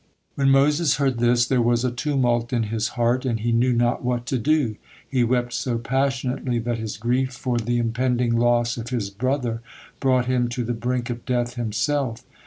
When Moses heard this, there was a tumult in his heart, and he knew not what to do. He wept so passionately that his grief for the impending loss of his brother brought him to the brink of death himself.